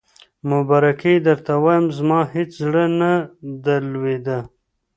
مبارکي یې درته وایم، زما هېڅ زړه ته نه لوېده.